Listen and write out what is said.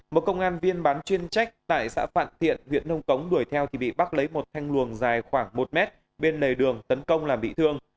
một công an viên bán chuyên trách tại xã phạn tiện huyện nông cống đuổi theo thì bị bắc lấy một thanh luồng dài khoảng một mét bên lề đường tấn công làm bị thương